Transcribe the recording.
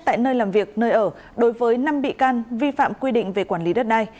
tại nơi làm việc nơi ở đối với năm bị can vi phạm quy định về quản lý đất đai